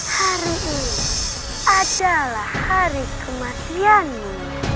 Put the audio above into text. hari ini adalah hari kematianmu